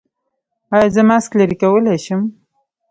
ایا زه ماسک لرې کولی شم؟